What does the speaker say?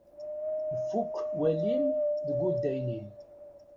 Ifukk walim deg udaynin.